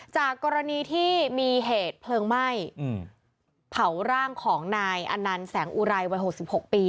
จากกรณีที่มีเหตุเพลิงไหม้เผาร่างของนายอนันต์แสงอุไรวัย๖๖ปี